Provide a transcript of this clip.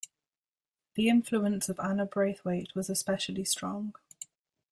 The influence of Anna Braithwaite was especially strong.